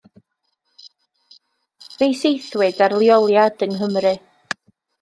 Fe'i saethwyd ar leoliad yng Nghymru.